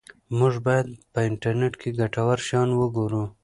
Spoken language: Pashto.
موږ باید په انټرنیټ کې ګټور شیان وګورو.